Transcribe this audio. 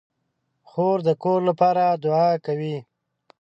خور د کور لپاره دعا کوي.